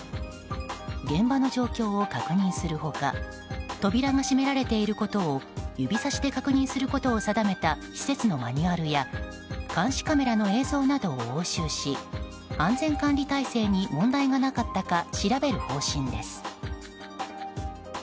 現場の状況を確認する他扉が閉められていることを指さしで確認することを定めた施設のマニュアルや監視カメラの映像などを押収し安全管理体制に問題がなかったか調べる方針です。